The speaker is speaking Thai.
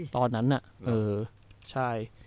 ตอนนั้นอ่ะ